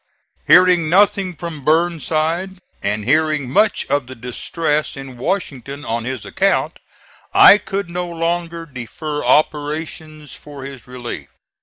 Hearing nothing from Burnside, and hearing much of the distress in Washington on his account, I could no longer defer operations for his relief.